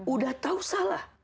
udah tau salah